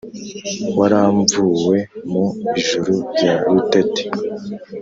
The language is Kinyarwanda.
Waramvuwe mu Ijuri rya Rutete: